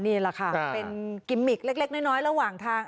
นี่แหละค่ะเป็นกิมมิกเล็กน้อยระหว่างทาง